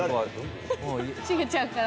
しげちゃんから。